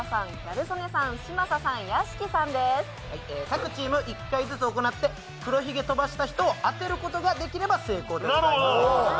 各チーム１回ずつ行って黒ひげ飛ばしたことを当てることができれば成功です。